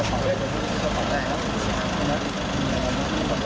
โอเคสาธารณ์ของน้ำนะครับ